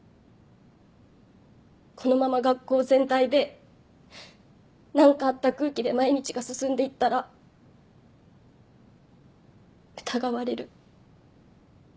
このまま学校全体で何かあった空気で毎日が進んでいったら疑われる。